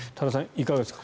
いかがですか。